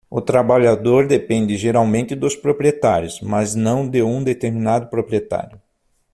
O trabalhador depende geralmente dos proprietários, mas não de um determinado proprietário.